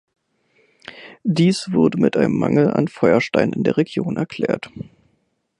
Dies wurde mit einem Mangel an Feuerstein in der Region erklärt.